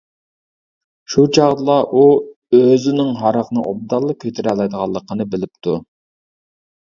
شۇ چاغدىلا ئۇ ئۆزىنىڭ ھاراقنى ئوبدانلا كۆتۈرەلەيدىغانلىقىنى بىلىپتۇ.